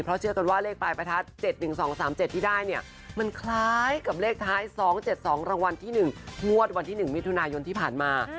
เพราะเชื่อกันว่าเลขปลายประทัด๗๑๒๓๗ที่ได้เนี่ยมันคล้ายกับเลขท้าย๒๗๒รางวัลที่๑งวดวันที่๑มิถุนายนที่ผ่านมา